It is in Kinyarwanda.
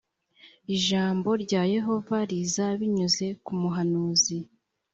ijambo rya yehova riza binyuze ku muhanuzi .